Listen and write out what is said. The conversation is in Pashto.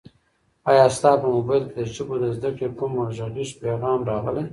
ایا ستا په موبایل کي د ژبو د زده کړې کوم غږیز پیغام راغلی؟